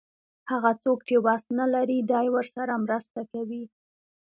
هغه څوک چې وس نه لري دی ورسره مرسته کوي.